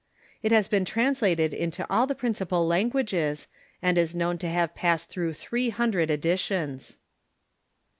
It has been translated into all the principal lan guages, and is known to have passed through three hundred editions.